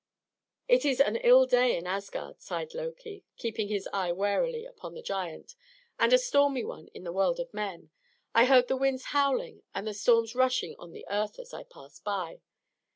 "It is an ill day in Asgard," sighed Loki, keeping his eye warily upon the giant, "and a stormy one in the world of men, I heard the winds howling and the storms rushing on the earth as I passed by.